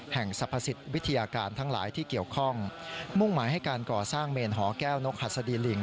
สรรพสิทธิวิทยาการทั้งหลายที่เกี่ยวข้องมุ่งหมายให้การก่อสร้างเมนหอแก้วนกหัสดีลิง